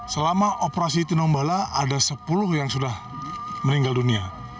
selama operasi tinombala ada sepuluh yang sudah meninggal dunia